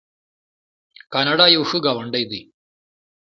کاناډا یو ښه ګاونډی دی.